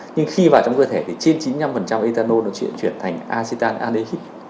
nhưng khi vào trong cơ thể thì trên chín mươi năm etanol nó chuyển thành acetaladehyde